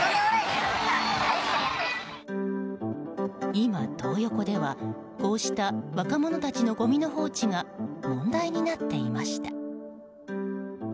今、トー横ではこうした若者たちのごみの放置が問題になっていました。